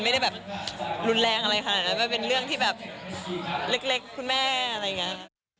ไม่ได้รุนแรงอะไรขนาดนั้นมาเป็นเรื่องที่เล็กคุณแม่อะไรงี้